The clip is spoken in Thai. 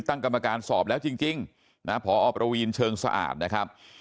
ตั้งกรรมการสอบแล้วจริงนะพอประวีนเชิงสะอาดนะครับ